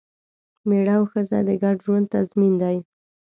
مېړه او ښځه د ګډ ژوند تضمین دی.